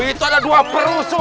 itu ada dua perusuh